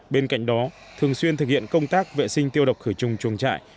bên cạnh đó thường xuyên thực hiện công tác vệ sinh tiêu độc khởi trùng trùng trại